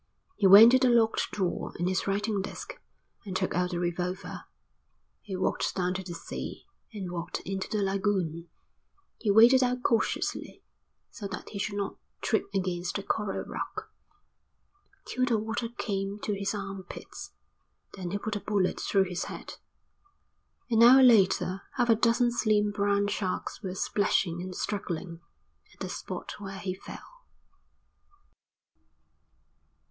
He went to the locked drawer in his writing desk and took out the revolver. He walked down to the sea and walked into the lagoon; he waded out cautiously, so that he should not trip against a coral rock, till the water came to his arm pits. Then he put a bullet through his head. An hour later half a dozen slim brown sharks were splashing and struggling at the spot where he fell.